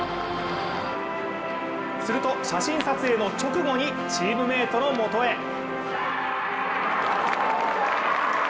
すると、写真撮影の直後にチームメートのもとへ。